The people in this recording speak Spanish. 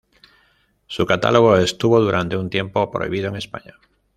Su catálogo estuvo, durante un tiempo, prohibido en España.